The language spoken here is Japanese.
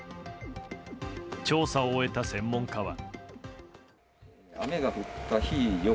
調査を終えた専門家は。